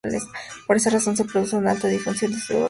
Por esta razón se produce una alta difusión de su doctrina.